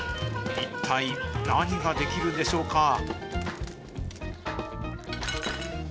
一体何が出来るんでしょうか。